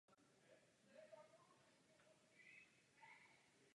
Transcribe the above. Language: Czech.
Čtenáři zde naleznou také další nejrůznější zprávy ze všech oblastí kulturního života.